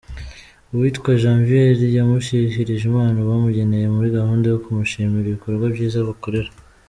Uwitwa Janvier yamushyikirije impano bamugeneye muri gahunda yo kumushimira ibikorwa byiza abakorera .